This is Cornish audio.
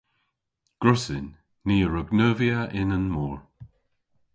Gwrussyn. Ni a wrug neuvya y'n mor.